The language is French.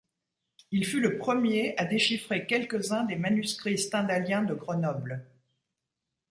Il fut le premier à déchiffrer quelques-uns des manuscrits stendhaliens de Grenoble.